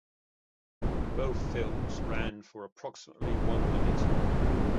Both films ran for approximately one minute.